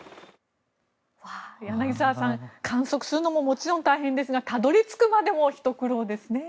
柳澤さん観測するのももちろん大変ですがたどり着くまでもひと苦労ですね。